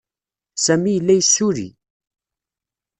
Sami yella yessulli.